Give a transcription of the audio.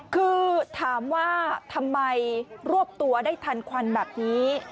คือถามว่าทำไมรวบตัวได้ทันควันแบบนี้